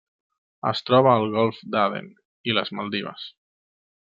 Es troba al Golf d'Aden i les Maldives.